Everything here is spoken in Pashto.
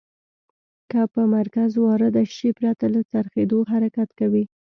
که په مرکز وارده شي پرته له څرخیدو حرکت کوي.